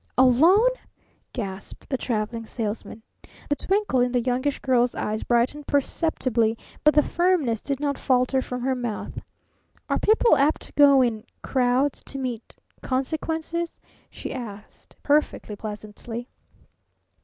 '" "Alone?" gasped the Traveling Salesman. The twinkle in the Youngish Girl's eyes brightened perceptibly, but the firmness did not falter from her mouth. "Are people apt to go in crowds to meet consequences?" she asked, perfectly pleasantly.